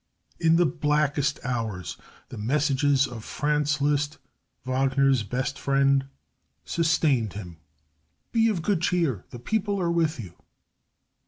In the blackest hours, the messages of Franz Liszt, Wagner's best friend, sustained him: "be of good cheer, the people are with you."